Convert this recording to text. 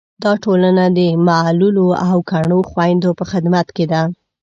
دا ټولنه د معلولو او کڼو خویندو په خدمت کې ده.